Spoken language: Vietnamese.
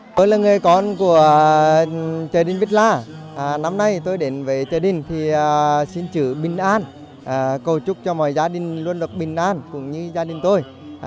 tôi là người con của chợ đình bích la năm nay tôi đến với gia đình thì xin chữ bình an cầu chúc cho mọi gia đình luôn được bình an cũng như gia đình tôi